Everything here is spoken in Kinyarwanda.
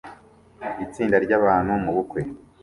Itsinda ryabantu mubukwe